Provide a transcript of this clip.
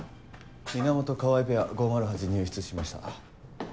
源川合ペア５０８入室しました。